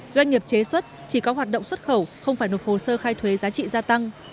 doanh nghiệp chế xuất chỉ có hoạt động xuất khẩu không phải nộp hồ sơ khai thuế giá trị gia tăng